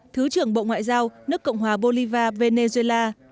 thứ trưởng bộ ngoại giao nước cộng hòa bolivar venezuela